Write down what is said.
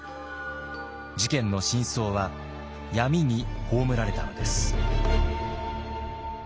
事件の真相は闇に葬られたのです。